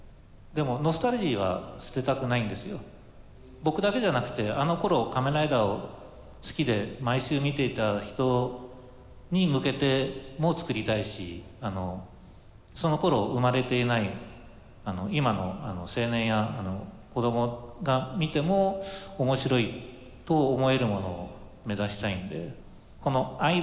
僕だけじゃなくてあのころ「仮面ライダー」を好きで毎週見ていた人に向けても作りたいしそのころ生まれていない今の青年や子供が見てもおもしろいと思えるものを目指したいんで。